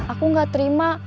aku nggak terima